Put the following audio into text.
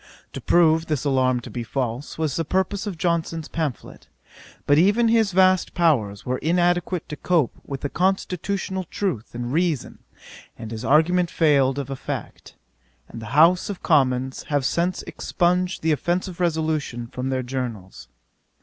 To prove this alarm to be false, was the purpose of Johnson's pamphlet; but even his vast powers were inadequate to cope with constitutional truth and reason, and his argument failed of effect; and the House of Commons have since expunged the offensive resolution from their Journals.